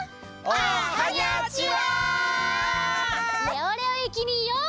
おはにゃちは。